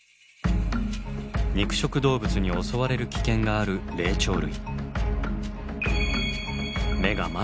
肉食動物に襲われる危険がある霊長類。